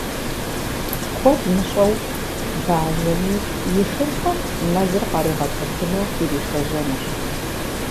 Куэд мыщӀэу бажэми и шырхэм мэзыр къаригъэцӏыхуну иришэжьэнущ.